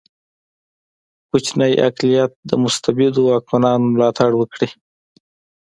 کوچنی اقلیت د مستبدو واکمنانو ملاتړ وکړي.